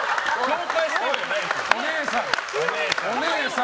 お姉さん！